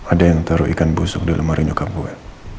ada yang taruh ikan busuk di lemari nyokap gue